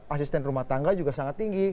asisten rumah tangga juga sangat tinggi